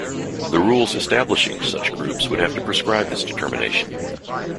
The rules establishing such groups would have to prescribe this determination.